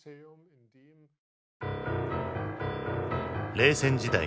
冷戦時代